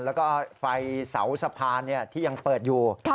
แล้วก็ไฟเสาสะพานที่ยังเปิดอยู่